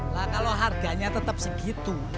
nah kalau harganya tetap segitu